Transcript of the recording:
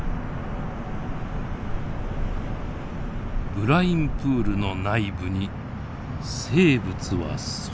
ブラインプールの内部に生物は存在するのか。